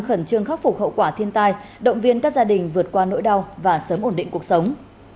khẩn trương khắc phục hậu quả thiên tai động viên các gia đình vượt qua nỗi đau và sớm ổn định cuộc sống